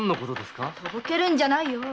とぼけるんじゃないよ！